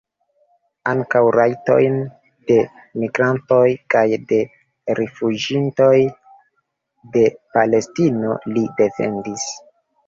Ankaŭ rajtojn de migrantoj kaj de rifuĝintoj de Palestino li defendis.